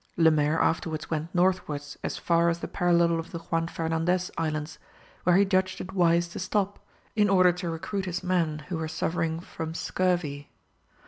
Lemaire afterwards went northwards as far as the parallel of the Juan Fernandez Islands, where he judged it wise to stop, in order to recruit his men who were suffering from scurvy.